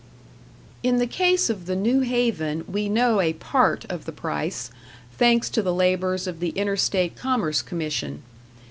In the case of the New Haven, we know a part of the price thanks to the labors of the Interstate Commerce Commission.